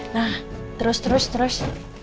nah terus terus terus